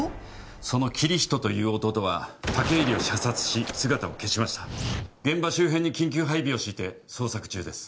そのキリヒトという弟は武入を射殺し姿を消しました現場周辺に緊急配備を敷いて捜索中です